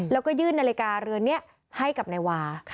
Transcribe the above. แล้วก็ยื่นนาฬิกาเรือนนี้ให้กับนายวา